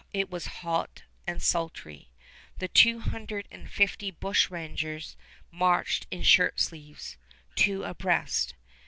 It was hot and sultry. The two hundred and fifty bushrangers marched in shirt sleeves, two abreast.